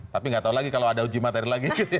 tapi nggak tahu lagi kalau ada uji materi lagi